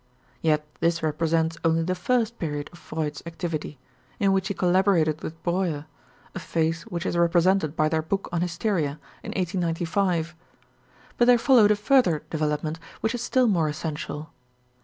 Yet this represents only the first period of Freud's activity, in which he collaborated with Breuer, a phase which is represented by their book on hysteria, in 1895. But there followed a further development which is still more essential.